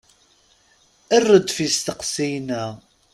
Err-d f isteqsiyen-a.